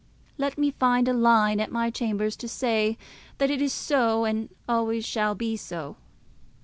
Let me find a line at my chambers to say that it is so, and always shall be so.